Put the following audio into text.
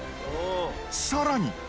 さらに。